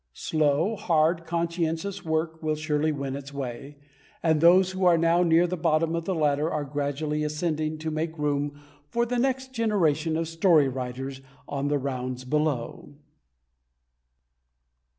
Slow, hard, conscientious work will surely win its way, and those who are now near the bottom of the ladder are gradually ascending to make room for the next generation of story writers on the rounds below.